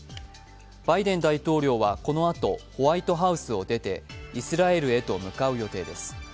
バイデン大統領はこのあとホワイトハウスを出てイスラエルへと向かう予定です。